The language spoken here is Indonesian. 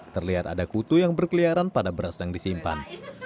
terlihat ada kutu yang berkeliaran pada beras yang disimpan